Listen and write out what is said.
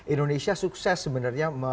indonesia sukses sebenarnya